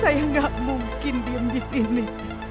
saya gak mungkin diem disini